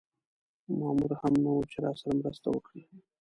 مامور هم نه و چې راسره مرسته وکړي.